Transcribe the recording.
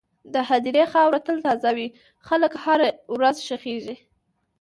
د هدیرې خاوره تل تازه وي، خلک هره ورځ ښخېږي.